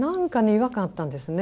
違和感あったんですね。